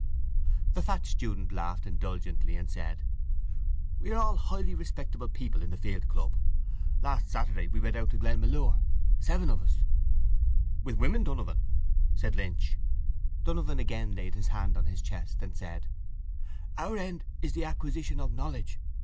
The fat student laughed indulgently and said: —We are all highly respectable people in the field club. Last Saturday we went out to Glenmalure, seven of us. —With women, Donovan? said Lynch. Donovan again laid his hand on his chest and said: —Our end is the acquisition of knowledge.